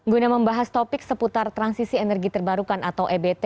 guna membahas topik seputar transisi energi terbarukan atau ebt